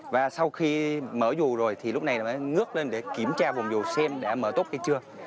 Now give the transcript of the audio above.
và sau khi mở dù rồi thì lúc này mới ngước lên để kiểm tra vòng dù xem đã mở tốt hay chưa